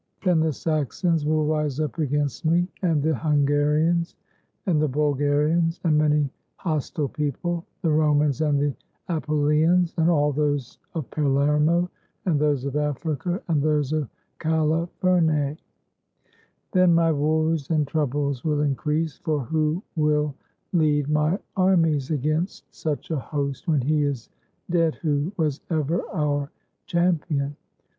Then the Saxons will rise up against me, and the Hungarians and the Bulgarians, and many hos tile people, the Romans and the Apulians, and all those of Palermo, and those of Africa, and those of Califerne; then my woes and troubles will increase; for who will lead my armies against such a host when he is dead who was ever our champion?